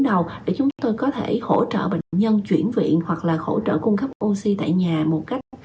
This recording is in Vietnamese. đầu để chúng tôi có thể hỗ trợ bệnh nhân chuyển viện hoặc là hỗ trợ cung cấp oxy tại nhà một cách